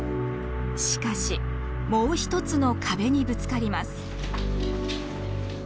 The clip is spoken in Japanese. しかしもう一つの壁にぶつかります。